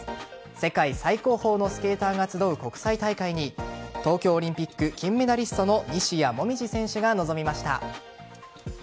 世界最高峰のスケーターが集う国際大会に東京オリンピック金メダリストの西矢椛選手が臨みました。